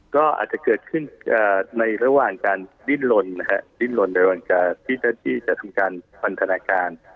ก็อาจจะเกิดขึ้นในระหว่างการริ่นลนด้วยการที่จะทำการพันธนาการ